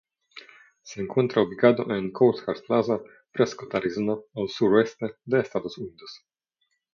Se encuentra ubicado en Courthouse Plaza, Prescott, Arizona al suroeste de Estados Unidos.